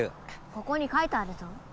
ここに書いてあるぞ。